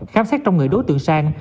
khám sát trong người đối tượng sang